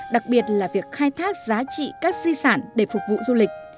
đặc biệt là việc khai thác giá trị các di sản để phục vụ du lịch